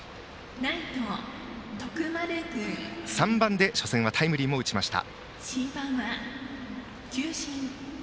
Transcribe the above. ライト、徳丸は３番で初戦はタイムリーも打ちました。